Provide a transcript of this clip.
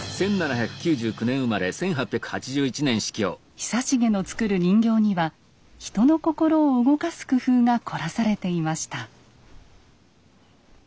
久重の作る人形には人の心を動かす工夫が凝らされていました。